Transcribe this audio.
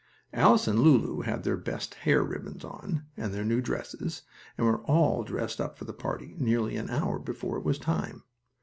Alice and Lulu had their best hair ribbons on and their new dresses, and were all dressed up for the party nearly an hour before it was time.